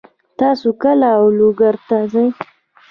تاسو کله لوګر ته ځئ؟